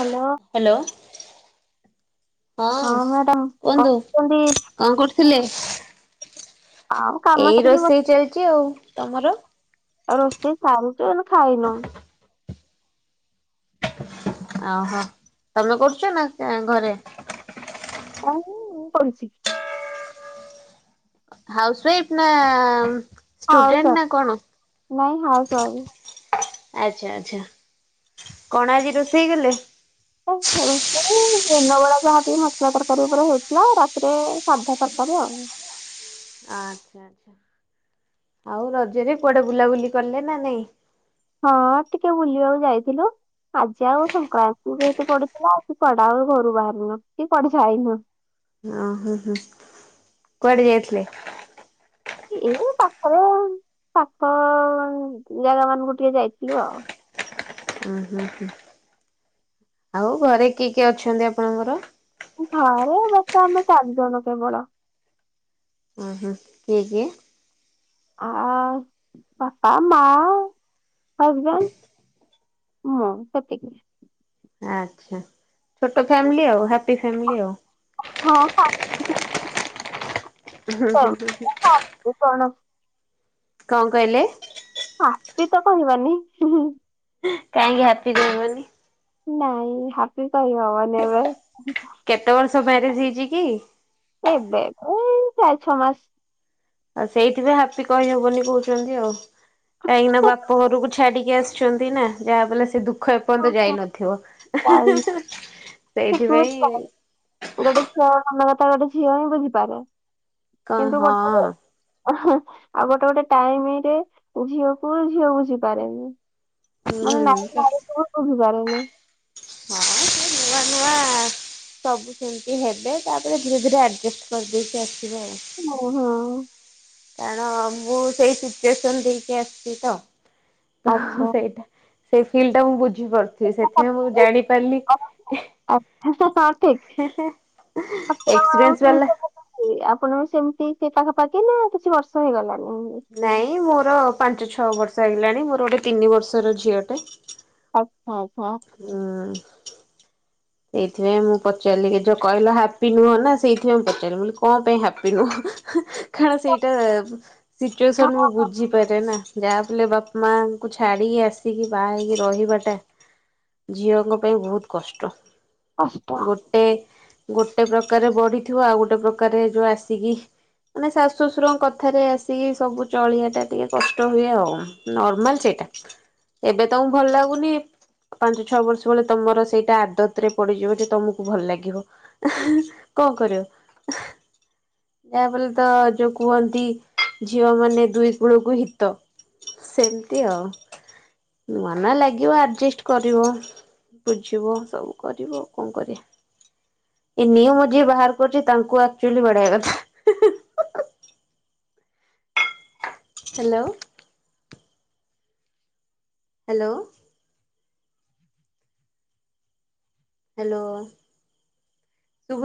Hello. Hello ହଁ କୁହନ୍ତୁ କହୁଛନ୍ତି କଣ କରୁଥି ଥିଲେ। ଆଉ କାମ ଏଇ ସାରିକି ରୋଷେଇ ବସି ଚାଲିଚି ଆଉ। ତମର? ରୋଷେଇ ସାରି ଏ ଆମେ ଖାଇନୁ। ଓହୋ ତମେ କରୁଚ ନା ଘରେ? ହଁ ମୁଁ କରିଚି। ହାଉସ ୱାଇଫ୍ ନା ଆ ହାଉସୱାଇଫ୍ ନାଇଁ ହାଉସୱାଇଫ୍ ଆଚ୍ଛା ଆଚ୍ଛା [inaudible] କଣ ଆଜି ରୋଷେଇ କଲେ? ଦିନବେଳା ଯାହା ମସଲା ତରକାରୀ ଉପରେ ହେଇଥିଲା ଆଉ ରାତିରେ ସାଧା ତରକାରୀ ଆଉ। [inaudible] ଆଚ୍ଛା ଆଚ୍ଛା ଆଉ ରଜରେ କୁଆଡେ ବୁଲାବୁଲି କଲେ ନା ନାଇଁ? ହଁ ଟିକେ ବୁଲିବାକୁ ଯାଇଥିଲୁ ଆଜି ଆଉ ସଂକ୍ରାନ୍ତି ଯେହେତୁ ପଡିୁଥିଲା ସେ ପଡା ଆଉ ଘରୁ ବାହାରିନୁ କି କୁଆଡେ ଯାଇନୁ। ଓ ହ ହୁଁ କୁଆଡେ ଯାଇଥିଲେ? ଏଇ ପାଖ ପାଖ ଜାଗା ମାନଙ୍କୁ ଟିକେ ଯାଇଥିଲୁ ଆଉ। ଓ ହଁ ହୁଁ ଆଉ ଘରେ କିଏ କିଏ ଅଛନ୍ତି ଆପଣଙ୍କର? ଘରେ ବାକି ଆମେ ଚାରିଜଣ କେବଳ। ଉଁ ହୁ କିଏ କିଏ? ଆ ବାପା ମା ହଜବେଣ୍ଡ [inaudible] ମୁଁ ସେତିକି। ଆଚ୍ଛା ଛୋଟ ଫ୍ୟାମିଲି ଆଉ ହାପି ଫାମିଲି ଆଉ। ହଁ ପା। [inaudible] କଣ। [unintelligible] କଣ କହିଲେ? ହିଁ ତ କହିବନି? କାହିଁକି ହ୍ୟାପି ରହିବନି? ନାଇଁ ହାପି କହି ହବନି ଏବେ [inaudible] କେତେ ବର୍ଷ ମ୍ୟାରେଜ ହେଇଚିକି? ଏବେ ଏଇ ଚାରି ଛଅ ମାସ ଆଉ ସେଇଠି ବି ହାପି କହି ହବନି କହୁଚନ୍ତି, ଆଉ କାହିଁକିନା ବାପ ଘରକୁ ଛାଡିକି ଆସିଚନ୍ତି ନା ଯାହା ବଲେ ସେ ଦୁଃଖ ଦୁଃଖ ହଁ, ଏପର୍ଯ୍ୟନ୍ତ ଯାଇ ନଥିବ। [inaudible] ସେଠି [unintelligible] ସଟ ମନ କଥା ଗୋଟେ ଝିଅ ହିଁ ବୁଝିପାରେ। କଣ କିନ୍ତୁ ହଁ ଗୋଟେ ରେ ହୁଁ। ଆଉ ଗୋଟେ ଗୋଟେ ଟାଇମରେ ଝିଅକୁ ହିଁ ଝିଅ ବୁଝିପାରେନି। ହୁଁ ମାନେ ନାରୀ ହଁ ନାରୀ କୁ ହିଁ ବୁଝିପାରେନି। [inaudible] ହଁ ସବୁ ସେମିତି ହେବେ ତାପରେ ଧୀରେ ଧୀରେ ଆଡଜଷ୍ଟ କରିଦେଇଛି ଆସ ଓ ହଁ। କାରଣ ମୁଁ ସେଇ ସିଚୁଏସନ ଦେଇକି ଆସିଚି ତ ତ ଆଚ୍ଛା ସେଇଟା ସେ ଫିଲ୍ ଟା ମୁଁ ବୁଝି ବୁଝିପାରୁଥିବି ସେଥିପାଇଁ ମୁଁ ଜାଣି ପାରିଲି [unintelligible] ଠିକ [inaudible] ଆପଣ ଏକ୍ସପିରିଏନ୍ସ ବାଲା ଆପଣ ବି ସେମତି ସେ ସେ ପାଖାପାଖି ନା କିଛି ବର୍ଷ ହେଇଗଲା। ନାଇଁ ମୋର ପାଞ୍ଚ ଛଅ ବର୍ଷ ହେଇଗଲାଣି ମୋର ଗୋଟେ ତିନି ବର୍ଷର ଝିଅଟେ ଆଉ ହୁଁ। ସେଇଥିପାଇଁ ମୁଁ ପଚାରିଲି କି ଯୋଉ କହିଲ ହାପି ନୁହଁ ନା ସେଇଥିପାଇଁ ମୁଁ ପଚାରିଲି କଣ ପାଇଁ ହାପି ନୁହଁ । କାରଣ ସେଇଟା ସିଚୁଏସନ ହଁ ମୁଁ ବୁଝିପାରେ ନା । ଯାହପିଲେ ବାପା ମାଙ୍କୁ ଛାଡ଼ିକି ଆସିକି ବାହା ହେଇକି ରହିବାଟା ଝିଅଙ୍କ ପାଇଁ ବହୁତ କଷ୍ଟ । କଷ୍ଟ ଗୋଟେ ଗୋଟେ ପ୍ରକାରରେ ବଢିଥିବ ଆଉ ଗୋଟେ ପ୍ରକାରରେ ଯୋଉ ଆସିକି ମାନେ ଶାଶୁ ଶ୍ୱଶୁରଙ୍କ କଥାରେ ଆସିକି ସବୁ ଚଳିବା ଟା ଟିକେ କଷ୍ଟ ହୁଏ ଆଉ ନର୍ମାଲ ସେଇଟା ଏବେ ତମକୁ ଭଲ ଲାଗୁନି ପାଞ୍ଚ ଛଅ ବର୍ଷ ବେଳେ ତମର ସେଇଟା ଆଦତ ରେ ପଡିଯିବ ଯେ ତମକୁ ଭଲ ଲାଗିବ କଣ କରିବ ଯାହାଫଲେ ତ ଯୋଉ କୁହନ୍ତି ଝିଅ ମାନେ ଦୁଇ କୂଳକୁ ହିତ ସେମିତି ଆଉ ମନ ଲାଗିବ ଆଡଜଷ୍ଟ କରିବ ବୁଝିବ ସବୁ କରିବୁ ଆଉ କଣ କରିବା ଏ ନିୟମ ଯିଏ ବାହାର କରୁଚି ତାଙ୍କୁ ଆକ୍ଚୁଆଲି ବାଡ଼େଇବା କଥା। ହାଲୋ। ହାଲୋ। ହାଲୋ ଶୁଭୁଚି